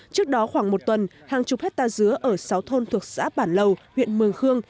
trước đó khoảng một tuần hàng chục hectare dứa ở sáu thôn thuộc xã bản lầu huyện mường khương